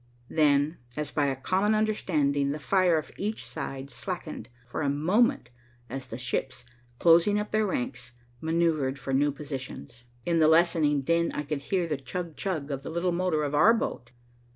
Then, as by a common understanding, the fire of each side slackened for a moment as the ships, closing up their ranks, maneuvered for new positions. In the lessening din, I could hear the chug chug of the little motor of our boat.